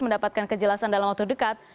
mendapatkan kejelasan dalam waktu dekat